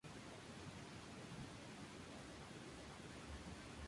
Trabajaba para el diario Parisino el "Petit Journal".